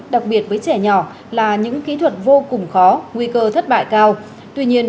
đặc biệt với trẻ nhỏ là những kỹ thuật vô cùng khó nguy cơ thất bại cao tuy nhiên